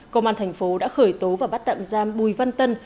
công an tp hcm đã khởi tố và bắt tạm giam bùi văn tân